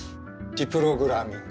ディプログラミング？